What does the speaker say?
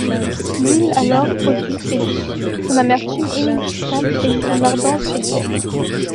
L'huile alors produite est douce, son amertume inexistante et son ardence est faible.